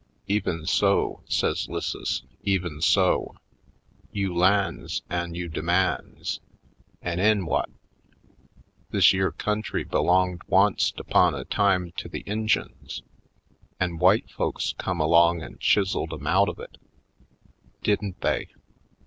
"Even so," says 'Lisses, "even so. You lands an' you demands — an' 'en whut? This yere country belonged once't upon a time to the Injuns. An' w'ite folks come along an' chiseled 'em out of it, didn't they?